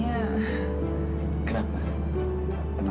ya aku mampus